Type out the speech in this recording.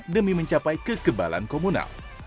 demi mencapai kekebalan komunal